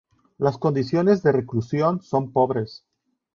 Las condiciones de reclusión son pobres.